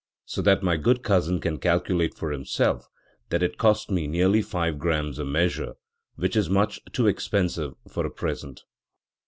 so that my good cousin can calculate for himself that it cost me nearly 5 gr. a measure, which is much too expensive for a present".